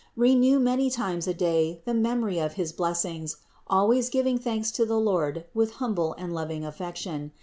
Renew many times a day the memory of his blessings, always giving thanks to the Lord with humble and loving affection.